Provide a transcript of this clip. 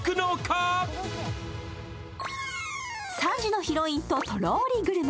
３時のヒロインととろりグルメ。